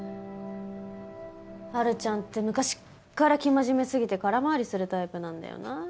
春ちゃんって昔から生真面目すぎて空回りするタイプなんだよなあ。